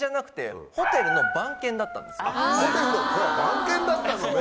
あっホテルの番犬だったのね！